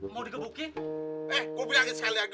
mau dikebuki eh gue bilangin sekali lagi